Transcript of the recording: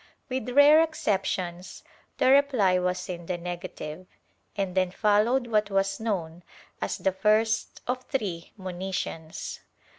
With rare exceptions, the reply was in the negative and then followed what was known as the first of three monitions.